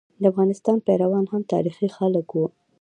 د افغانستان پيروان هم تاریخي خلک وو.